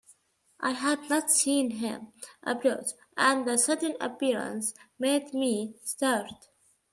I had not seen him approach, and the sudden appearance made me start.